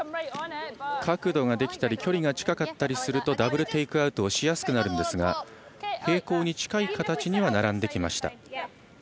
角度ができたり距離が近かったりするとダブルテイクアウトをしやすくなるんですが平行に近い形には並んできました。